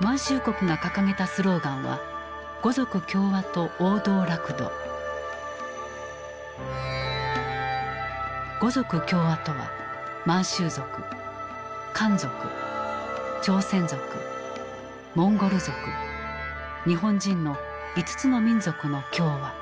満州国が掲げたスローガンは「五族協和」とは満州族漢族朝鮮族モンゴル族日本人の５つの民族の協和。